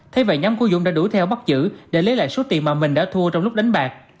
thế vậy nhóm của dũng đã đuổi theo bắt giữ để lấy lại số tiền mà mình đã thua trong lúc đánh bạc